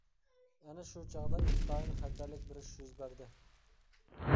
ئەنە شۇ چاغدا ئىنتايىن خەتەرلىك بىر ئىش يۈز بەردى.